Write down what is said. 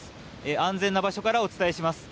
安全な場所からお伝えします。